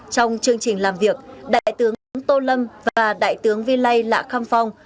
trong chương trình làm việc đại tướng tô lâm và đại tướng vi lây lạ kham phong